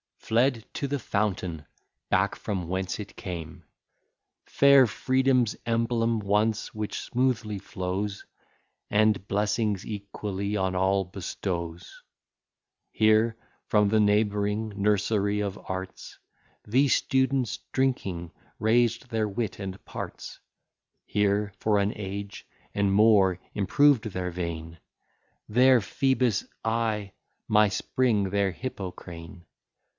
Fled to the fountain back, from whence it came! Fair Freedom's emblem once, which smoothly flows, And blessings equally on all bestows. Here, from the neighbouring nursery of arts, The students, drinking, raised their wit and parts; Here, for an age and more, improved their vein, Their Phoebus I, my spring their Hippocrene.